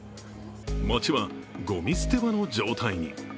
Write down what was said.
街はごみ捨て場の状態に。